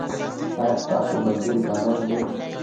ایا ستاسو مزل به لنډ نه وي؟